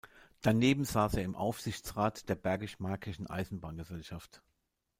Daneben saß er im Aufsichtsrat der Bergisch-Märkischen Eisenbahn-Gesellschaft.